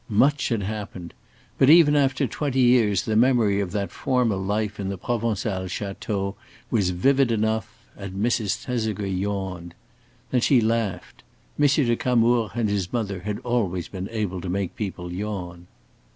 Much had happened. But even after twenty years the memory of that formal life in the Provencal château was vivid enough; and Mrs. Thesiger yawned. Then she laughed. Monsieur de Camours and his mother had always been able to make people yawn.